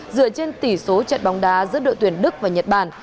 dựa trên tỷ số trận bóng đá giữa đội tuyển đức và nhật bản